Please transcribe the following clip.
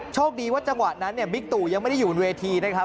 โชคดีว่าจังหวะนั้นเนี่ยบิ๊กตู่ยังไม่ได้อยู่บนเวทีนะครับ